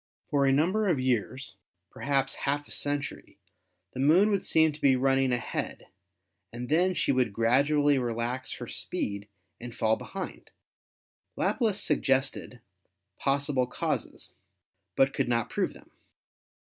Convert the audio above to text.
For a number of years, perhaps half a century, the Moon would seem to be running ahead and then she would gradually relax her speed and fall behind. Laplace suggested possible causes, but could not prove them.